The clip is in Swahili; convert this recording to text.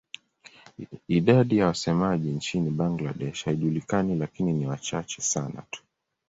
Idadi ya wasemaji nchini Bangladesh haijulikani lakini ni wachache sana tu.